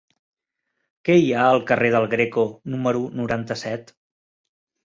Què hi ha al carrer del Greco número noranta-set?